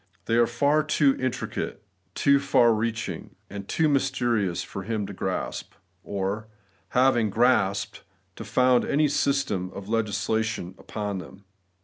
They are far too intricate, too far reaching, and too mysterious for him to grasp, or, having grasped, to found any system of legisla tion upon them.